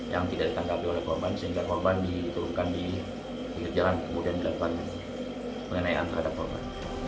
yang tidak ditangkapi oleh korban sehingga korban diturunkan di pinggir jalan kemudian dilakukan pengenaian terhadap korban